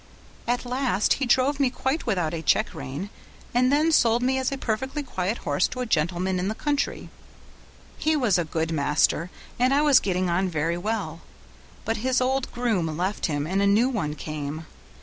At last he drove me quite without a check rein, and then sold me as a perfectly quiet horse to a gentleman in the country; he was a good master, and I was getting on very well, but his old groom left him and a new one came.